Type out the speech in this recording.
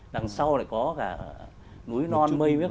đằng sau này có cả núi non mây miếc